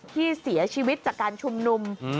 ที่เสียชีวิตจากการชุมนุม